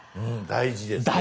大事です。